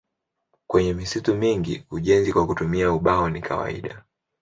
Penye misitu mingi ujenzi kwa kutumia ubao ni kawaida.